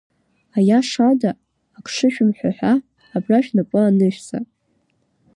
Аиаша ада ак шышәымҳәо ҳәа, абра шәнапы анышәҵа!